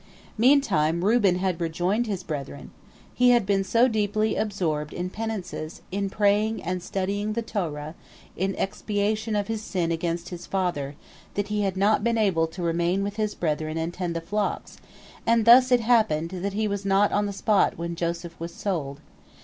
Meantime Reuben had rejoined his brethren. He had been so deeply absorbed in penances, in praying and studying the Torah, in expiation of his sin against his father, that he had not been able to remain with his brethren and tend the flocks, and thus it happened that he was not on the spot when Joseph was sold.